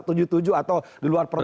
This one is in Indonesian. atau di luar perpupuan perempuan